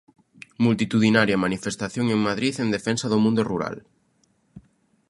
Multitudinaria manifestación en Madrid en defensa do mundo rural...